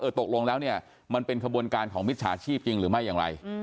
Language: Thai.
ตกลงแล้วเนี่ยมันเป็นขบวนการของมิจฉาชีพจริงหรือไม่อย่างไร